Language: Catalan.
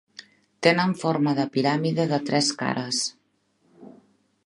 Tenen forma de piràmide de tres cares.